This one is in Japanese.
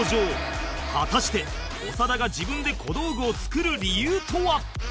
果たして長田が自分で小道具を作る理由とは？